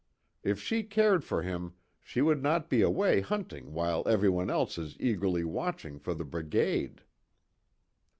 If she cared for him she would not be away hunting while everyone else is eagerly watching for the brigade."